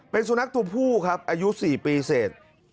เป็นสุนัขทุกผู้ครับอายุ๔ปีเศษ